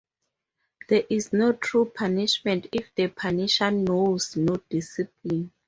There is no true punishment if the punisher knows no discipline.